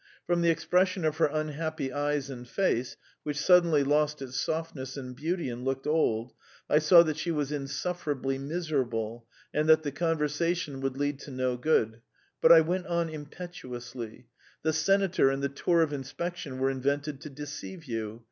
From the expression of her unhappy eyes and face, which suddenly lost its softness and beauty and looked old, I saw that she was insufferably miserable, and that the conversation would lead to no good; but I went on impetuously: "The senator and the tour of inspection were invented to deceive you.